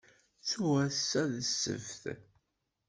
Ttuɣ ass-a d ssebt.